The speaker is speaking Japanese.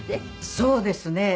そうですね。